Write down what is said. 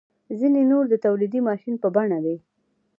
ځینې نور د تولیدي ماشین په بڼه وي.